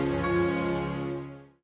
dukung terus dengan majestic